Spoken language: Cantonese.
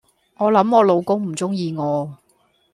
我諗我老公唔鍾意我